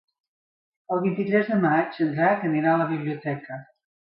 El vint-i-tres de maig en Drac anirà a la biblioteca.